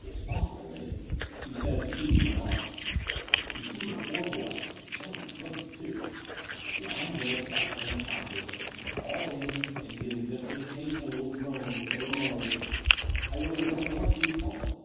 "It is awful, Line," she said, squeezing my arm, "to see the poor boy — ^he's so nice looking, too — lying there white and unconscious, all bandaged and giving just an occasional little groan or a moan — I don't really know which you would call it.